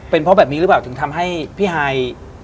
เป็นเพราะแบบนี้หรือเปล่าถึงทำให้พี่ฮาย